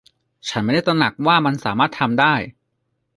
ฉันไม่ได้ตระหนักว่ามันสามารถทำได้